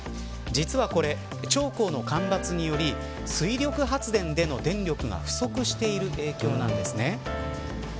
実はこれ、長江の干ばつにより水力発電での電力が不足している影響なんです。